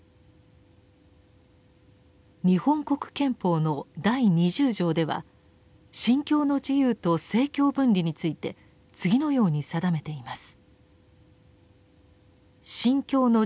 日本国憲法の第二十条では「信教の自由」と「政教分離」について次のように定めています。